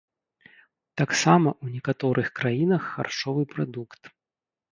Таксама ў некаторых краінах харчовы прадукт.